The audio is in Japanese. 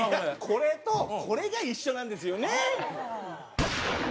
これとこれが一緒なんですよね？